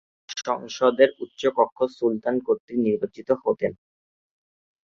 সংসদের উচ্চকক্ষ সুলতান কর্তৃক নির্বাচিত হতেন।